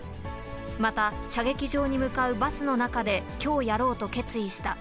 また射撃場に向かうバスの中で、きょうやろうと決意した。